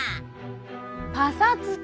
パサつき。